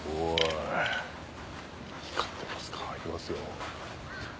光ってますいきますよ。